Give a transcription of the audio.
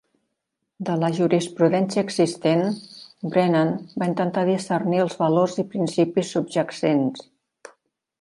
De la jurisprudència existent, Brennan va intentar discernir els valors i principis subjacents.